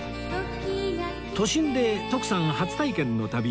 都心で徳さん初体験の旅